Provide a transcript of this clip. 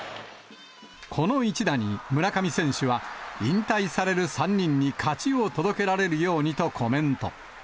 この一打に、村上選手は、引退される３人に勝ちを届けられるようにとコメント。